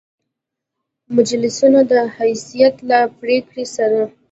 مجلسینو د هیئت له پرېکړې سـره